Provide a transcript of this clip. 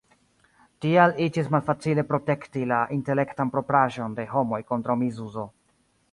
Tial iĝis malfacile protekti la "intelektan propraĵon" de homoj kontraŭ misuzo.